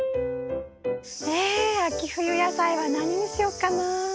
え秋冬野菜は何にしよっかな？